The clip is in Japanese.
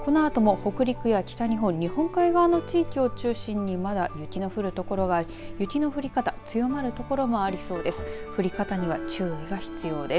このあとも北陸や北日本日本海側の地域を中心にまだ雪の降る所があり雪の降り方強まる所もありそうです。